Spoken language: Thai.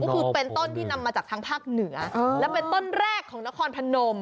ก็คือเป็นต้นที่นำมาจากทางภาคเหนือและเป็นต้นแรกของนครพนม